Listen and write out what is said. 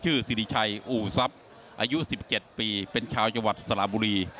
ชื่อซิริชัยอู๋ซับอายุสิบเก็บปีเป็นชาวจังหวัดสารบุรี